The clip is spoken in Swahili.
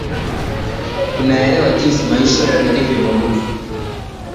tunaelewa jinsi maisha yalivyo magumu